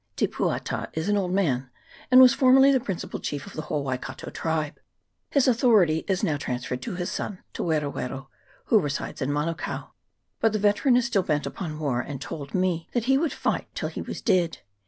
Te Puata is an old man, and was formerly the principal chief of the whole Waikato tribe ; his authority is now transferred to his son, Te Wero Wero, who resides in Manukao. But the veteran CHAP. XXIII.] MAUNGA TAUTARI. 317 is still bent upon war, and told me that he would fight till he was dead.